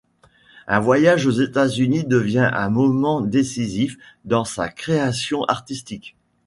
Un voyage aux États-Unis devient un moment décisif dans sa création artistique.